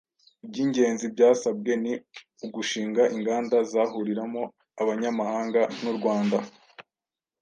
Iby'ingenzi byasabwe ni ugushinga inganda zahuriramo Abanyamahanga n'u Rwanda.